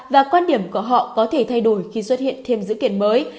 và quan điểm của họ có thể thay đổi khi xuất hiện thêm dữ kiện mới